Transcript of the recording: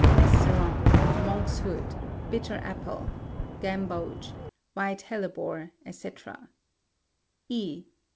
(Mezsreon; monk's hood; bitter apple; gamboge; white hellebore, &c.) E.